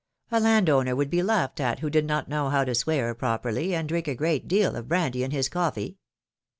A land owner would be laughed at, who did not know how to swear properly, and drink a great deal of brandy in his coffee